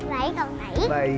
baik kamu baik